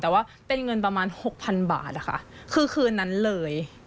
แต่ว่าเป็นเงินประมาณ๖๐๐๐บาทค่ะคือคืนนั้นเลย